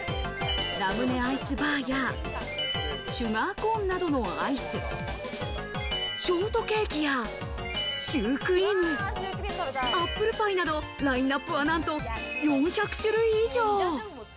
ラムネアイスバーやシュガーコーンなどのアイス、ショートケーキやシュークリーム、アップルパイなど、ラインナップはなんと４００種類以上。